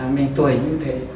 mình tuổi như thế